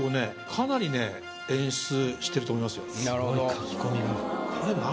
かなりね演出してると思いますよ。